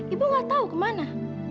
ibu gak tahu kemana